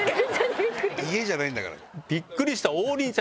家じゃないんだから。